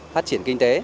phát triển kinh tế